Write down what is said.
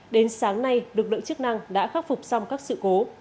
đến sáng nay lực lượng chức năng đã khắc phục xong các sự cố